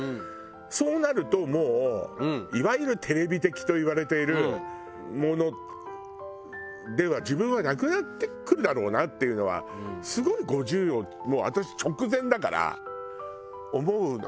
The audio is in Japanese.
そうなるともういわゆるテレビ的といわれているものでは自分はなくなってくるだろうなっていうのはすごい５０をもう私直前だから思うのよ。